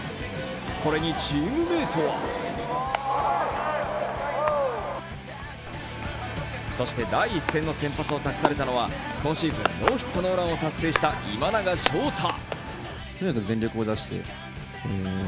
これにチームメートはそして第１戦の先発を託されたのは、今シーズン、ノーヒットノーランを達成した今永昇太。